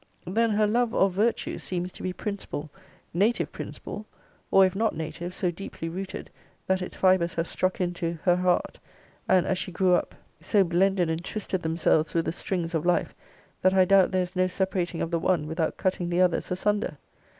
Then her LOVE or VIRTUE seems to be principle, native principle, or, if not native, so deeply rooted, that its fibres have struck into her heart, and, as she grew up, so blended and twisted themselves with the strings of life, that I doubt there is no separating of the one without cutting the others asunder.